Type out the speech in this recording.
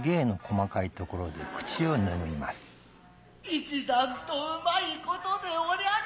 一段とうまい事でおりやる。